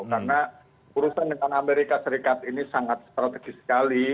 karena urusan dengan amerika serikat ini sangat strategis sekali